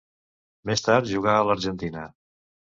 Més tard jugà a l'Argentina.